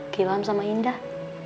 ke ilham sama indah